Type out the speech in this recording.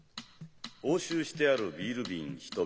押収してあるビール瓶１瓶